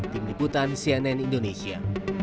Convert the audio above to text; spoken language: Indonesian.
tim liputan cnn indonesia